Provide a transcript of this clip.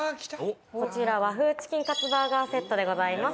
こちら和風チキンカツバーガーセットでございます。